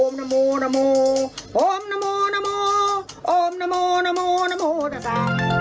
อ้อมนโมนโมอ้อมนโมนโมอ้อมนโมนโมนโมทะสะ